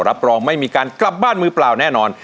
รับรองไม่มีการกลับบ้านมือเปล่าแน่นอน